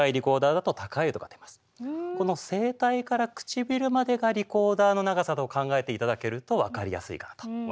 この声帯から唇までがリコーダーの長さと考えていただけると分かりやすいかなと思います。